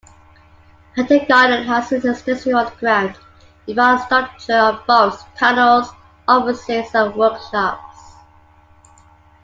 Hatton Garden has an extensive underground infrastructure of vaults, tunnels, offices and workshops.